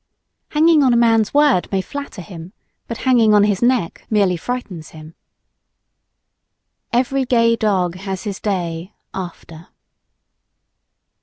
Hanging on a man's word may flatter him, but hanging on his neck merely frightens him. Every gay dog has his day after.